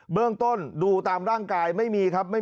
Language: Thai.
เบื้องต้นดูตามร่างกายไม่มีครับ